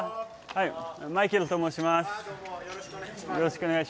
はい。